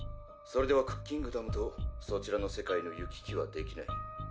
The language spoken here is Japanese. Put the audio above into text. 「それではクッキングダムとそちらの世界の行き来はできない」